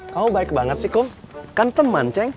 kamu baik sekali sih kum kan teman ceng